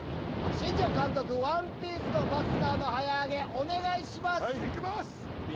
新庄監督、ワンピースのファスナーの早上げ、お願いします。